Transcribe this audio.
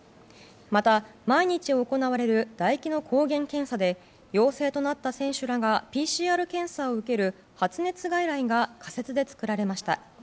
また、毎日行われる唾液の抗原検査で陽性となった選手らがＰＣＲ検査を受ける発熱外来が仮設で作られました。